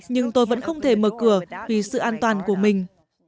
nhưng tôi vẫn không thể mở cửa vì sự an toàn của mình